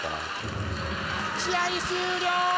試合終了！